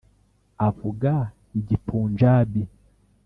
Avuga igipunjabi.